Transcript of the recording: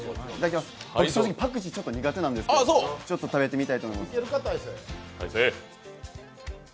僕、正直パクチー苦手なんですけどちょっと食べてみたいと思います。